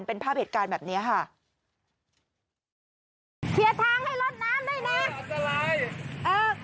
เป็นภาพเหตุการณ์แบบเนี้ยค่ะเสียทางให้ลดน้ำด้วยนะ